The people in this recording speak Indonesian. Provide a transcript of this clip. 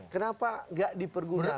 kenapa gak dipergunakan